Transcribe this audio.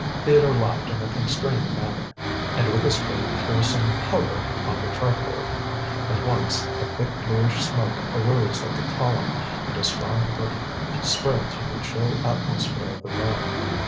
Theodore laughed in a constrained manner, and with a spoon threw some powder on the charcoal. At once a thick bluish smoke arose like a column, and a strong perfume spread through the chill atmosphere of the room.